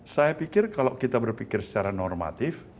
saya pikir kalau kita berpikir secara normatif